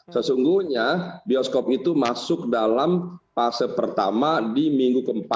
sesungguhnya bioskop itu masuk dalam fase pertama di minggu keempat